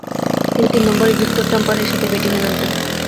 তিনি তিন নম্বরে ভিক্টর ট্রাম্পারের সাথে ব্যাটিংয়ে নামতেন।